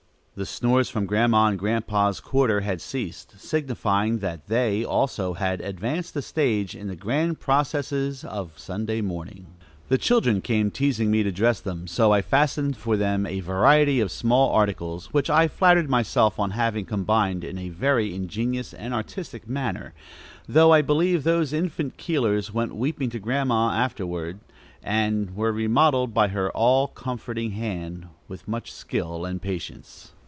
The snores from Grandma and Grandpa's quarter had ceased, signifying that they, also, had advanced a stage in the grand processes of Sunday morning. The children came teasing me to dress them, so I fastened for them a variety of small articles which I flattered myself on having combined in a very ingenious and artistic manner, though I believe those infant Keelers went weeping to Grandma afterward, and were remodeled by her all comforting hand with much skill and patience.